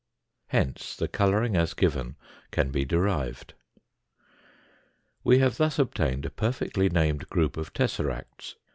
Hence the colouring as given can be derived. We have thus obtained a perfectly named group of tesseract s.